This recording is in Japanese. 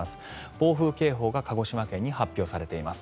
暴風警報が鹿児島県に発表されています。